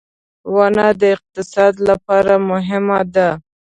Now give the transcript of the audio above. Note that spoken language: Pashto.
• ونه د اقتصاد لپاره مهمه ده.